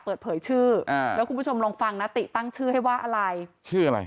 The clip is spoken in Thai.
เปิดเผยชื่ออ่าแล้วคุณผู้ชมลองฟังนะติตั้งชื่อให้ว่าอะไรชื่ออะไร